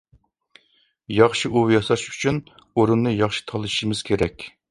-ياخشى ئۇۋا ياساش ئۈچۈن ئورۇننى ياخشى تاللىشىمىز كېرەك.